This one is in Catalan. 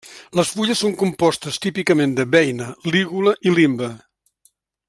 Les fulles són compostes típicament de beina, lígula i limbe.